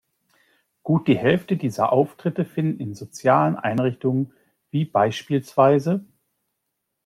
Gut die Hälfte dieser Auftritte finden in sozialen Einrichtungen wie bspw.